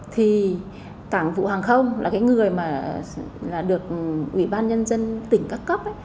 thì cảng vụ hàng không là cái người mà được ủy ban nhân dân tỉnh các cấp ấy